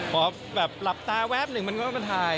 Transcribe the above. พอแบบหลับตาแวบหนึ่งมันก็ต้องมาถ่าย